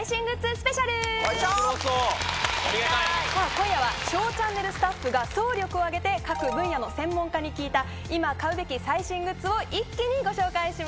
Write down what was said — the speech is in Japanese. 今夜はＳＨＯＷチャンネルスタッフが総力を挙げて各分野の専門家に聞いた今買うべき最新グッズを一気にご紹介します。